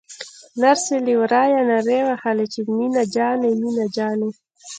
نرسې له ورايه نارې وهلې چې مينه جانې مينه جانې.